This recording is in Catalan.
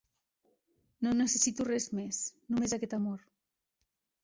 No necessito res més, només aquest amor.